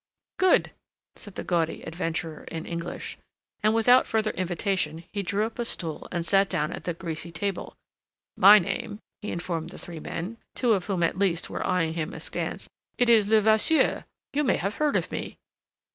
"Good," said the gaudy adventurer in English, and without further invitation he drew up a stool and sat down at that greasy table. "My name," he informed the three men, two of whom at least were eyeing him askance, "it is Levasseur. You may have heard of me."